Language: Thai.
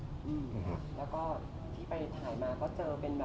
อืมค่ะแล้วก็ที่ไปถ่ายมาก็เจอเป็นแบบ